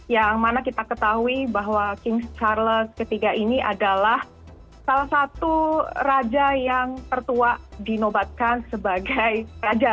yang mana kita ketahui bahwa king charles iii ini adalah salah satu raja yang tertua dinobatkan sebagai raja